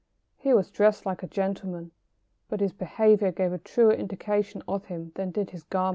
He was dressed like a gentleman, but his behaviour gave a truer indication of him than did his garments.